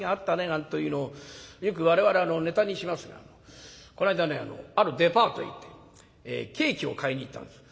なんというのをよく我々ネタにしますがこの間ねあるデパートへ行ってケーキを買いに行ったんです。